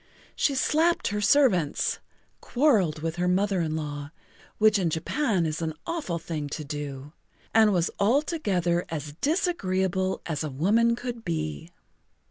She slapped her servants, quarreled with her mother in law (which in Japan is an awful thing to do), and was altogether as disagreeable as a woman could be.